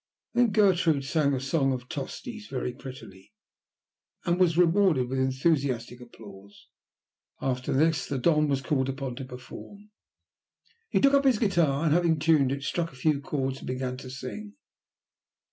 Then Gertrude sang a song of Tosti's very prettily, and was rewarded with enthusiastic applause. After this the Don was called upon to perform. He took up his guitar, and having tuned it, struck a few chords and began to sing.